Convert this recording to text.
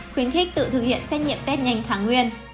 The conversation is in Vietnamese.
khuyến khích tự thực hiện xét nghiệm tết nhanh tháng nguyên